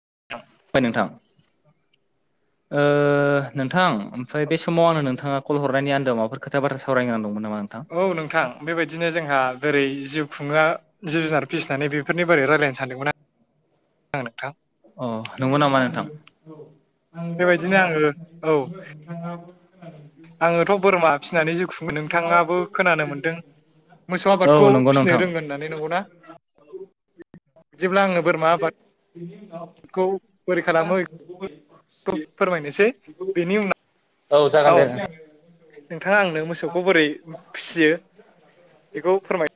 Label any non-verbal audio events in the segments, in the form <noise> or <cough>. <unintelligible> नोंथां ओ नोंथां ओमफ्राय बे समाव आङो नोंथाङा कल हरनायनि आन्दोआव माबाफोर खोथा बाथ्रा सावरायनो दंमोन औ नोंथां बेबायदिनो जोंहा बोरै जिउ खुङो जिब जुनार फिसिनानै बेफोरनि बोरै राय <unintelligible> आ नोंथां अ नंगौ नामा नोंथां? आंथ' बेबायदिनो बोरमा आङो औ <inaudible> नोंथाङाबो खोनादों आङोथ' बोरमा फिसिनानै जु खुङो नोंथाङाबो खोनानो मोन्दों मोसौ अ आबादखौ नंगौ नामा नोंथां औ नंगौ फिनो नोंथां रोङो होननानै नंगौना <inaudible> बिदिब्ला आङो बोरमा आबाद खौ बोरै खालामो फोरमायनोसै बेनि उनाव औ जागोन दे नों नोंथाङा आंनो मोसौखौ बोरै फियो बेखौ फोरमाय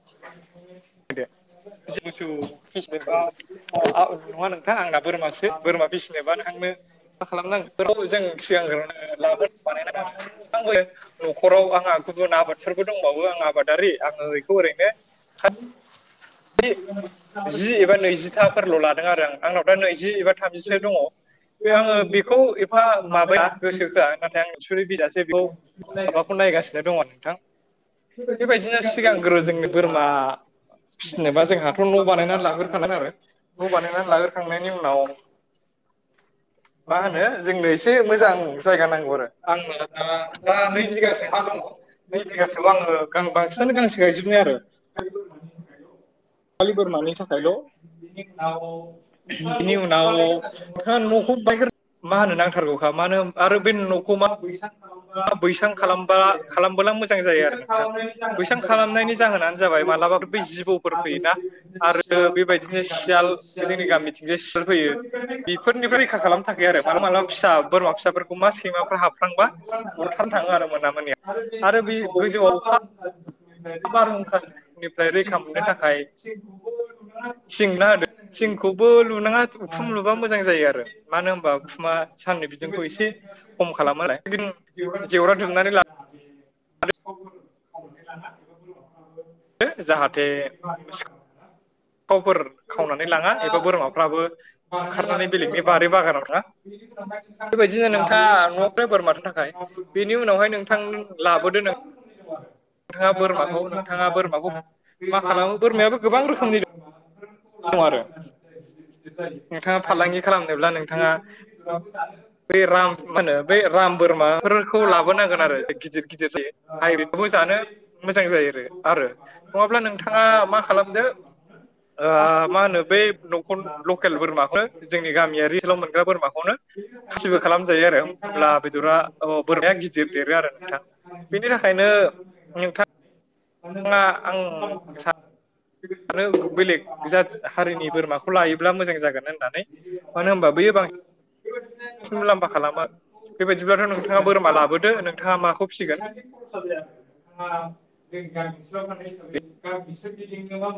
<unintelligible> नङा नोंथां आंना बोरमासो बोरमा फिसिनोबा नोंथांनो मा खालामनांगौ <unintelligible> सिगांग्रो लाबोनो बानाय आरो आंबो न'खराव आंहा गुबुन आबादफोरबो दंबावो आं आबादारि आङो बेखौ ओरैनो जि एबा <unintelligible> नैजिथाफोरल' लादों आरो आं आंनाव दा नैजि एबा थामजिसो दङ बे आङो बेखौ एफा माबाया गोसो होआ नाथाय आं सुरि बिजा से बौ माबाखौ नायगासिनो दङ नोंथां बेबायदिनो सिगांग्रो जोंनि बोरमा फिसिनोबा जोंहाथ' न' बानायनानै लाग्रोखांगोन आरो न' बानायनानै लाग्रोखांनायनि उनाव <inaudible> मा होनो जोंनो एसे मोजां जायगा नांगौ आरो आंना दा जायगा दा नै बिगासो हा दङ नै बिगासोआव आङो गां बांसिनानो गांसो गायजोबनाय आरो <unintelligible> <unintelligible> बै बोरमानि था बिनि उनाव नोंथाङा <unintelligible> न'खौ बायग्रो मा होनो नांथारगौखा मानो आरो बे न'खौ मा <unintelligible> बैसां खालामबा खालामबोला मोजां जायो आरो नोंथां बैसां खालामनायनि जाहोनानो जाबाय मालाबाफोर बै जिबौफोर फैयो ना आरो बेबाय नो सियाल जोंनि गामिथिंजाय सियाल फैयो बेफोरनिफ्राय रैखा खालामनो थाखाय आरो मालाबा मालाबा फिसा बोरमा फिसाफोरखौ मा सैमाफोरा हाबफ्लांबा <unintelligible> आरो बे गोजौआव बारहुंखानिफ्राय रैखा <unintelligible> <unintelligible> थिंना होदो थिंखौबो लुनाङा उखुम लुबा मोजां जायो आरो मानो हबा उखुमा साननि बिदुंखौ एसे खम खालामो आरो <unintelligible> <unintelligible> थावफोर खावनानै लाङा एबा बोरमाफ्राबो ओंखारनानै बेलेगनि बारि बागानाव थाङा बेबायदिनो नोंथाङा न'नि बोरमानि थाखाय बेनि उनावहाय नोंथां लाबोदो <unintelligible> बोरमाखौ नोंथाङा बोरमाखौ मा खालामो बोरमायाबो गोबां रोखोमनि <unintelligible> <inaudible> दं आरो नोंथाङा फालांगि खालामनोब्ला नोंथाङा बे राम मा होनो बै राम बोरमाफोरखौ लाबोनांगोन आरो गिदिर गिदिर <unintelligible> मोजां जायो आरो नङाब्ला नोंथाङा मा खालामदो ओ मा होनो बै न'खर लकेल बोरमाखौनो जोंनि गामियारि लाव मोनग्रा बोरमाखौनो गासिबो खालामजायो आरो अब्ला बेदरा अ बोरमाया गिदिर देरो आरो नोंथां बेनि थाखायनो <unintelligible> आं सानो <unintelligible> बेलेग जाथि हारिनि बोरमाखौ लायोब्ला मोजां जागोन होननानै मानो होनबा बैयो बां बांसिन मुलाम्फा खालामो बेबायदिब्लाथ' नोंथाङा बोरमा लाबोदो नोंथाङा माखौ फिसिगोन <unintelligible>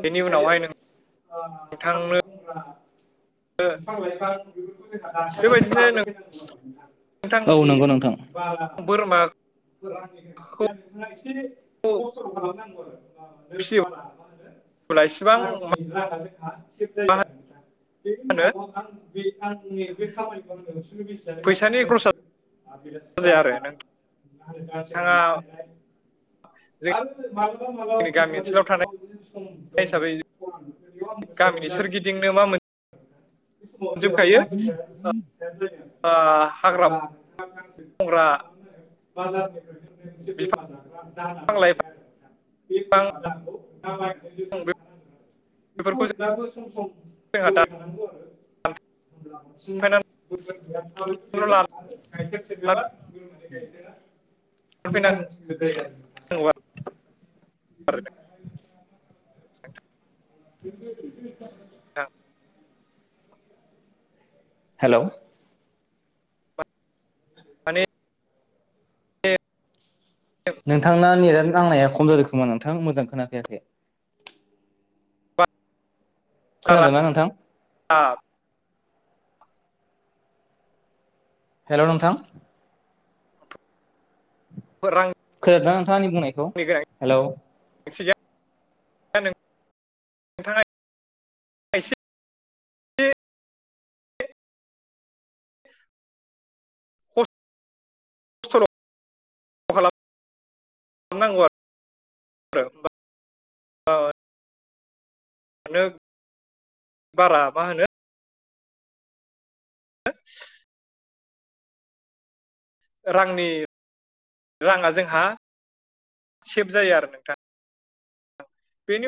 बेनि उनावहाय <unintelligible> नोंथांनो बेबायदिनो नोंथां <unintelligible> औ नंगौ नोंथां। बोरमाखौ फोरनि गोनांथि बे नोंथाङा एसे खस्थ' खालामनांगौ आरो ोंबा फिसियोब्ला आरो इसिबां मा रांनि राङा जोंहा सेभ जायो ना बे होनो उनाव आं बे आंनि बे खामानिखौ आं होसोरनो मिसिानो फैसानि गासिबो खरसा जाया आरो रायजोबो आ र नोंथां द <unintelligible> गानानै नोंथाङा लाय आरो मा जोंनि गामि ओनसोलाव थानाय माला सथायायो हिसाबै द गामिनि सोरगिदिंनो मा मोन <unintelligible> ओ हाग्रा बंग्रा <unintelligible> बाजारनिफ्राय एसे बिफां बोरमा जाग्रा दाना दंखायो लाइफां आरो बे बोरमा दानखौ दायनाय बेखौ बेफोरखौ अब्लााबबो सम सम जोंहा होबाय थानांगौ आरो हब्ला दानफायनानैल' बांसिन बे लानानै गैफो आरो गाय <unintelligible> सबा फैनांगौ ग गाय मजसिद <unintelligible> आरो बि औ हेलौ माने नोंथांना नेट नांनाया खम जादों खोमा नोंथां मोजां खोनाफैयाखै बारा खोनादोंना नोंथां? हेलौ नोंथां? रांनि खोनदों नोंथाङा? आंनि बुंनायखौ हेलौ एसि नोंथांङा एसे खस्थ खालामनांगौ आरो जोमबा औ बारा मा होनो ह <unintelligible> रांनि राङा जोंहा सेभ जायो आरो नोंथां। बेनि